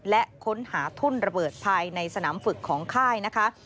และค้นหาทุ่นระเบิดภายในสนามฝึกของค่ายนะคะ